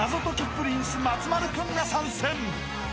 プリンス松丸君が参戦］